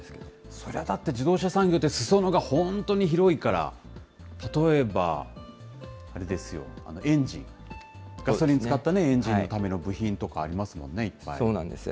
それはだって自動車産業って、すそ野が本当に広いから、例えばあれですよ、エンジン、ガソリン使ったエンジンのための部品とかそうなんです。